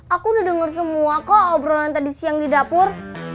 aku udah denger semua kok obrolan tadi siang di dapur